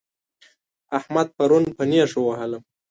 احمد پرون په نېښ ووهلم